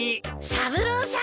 三郎さん。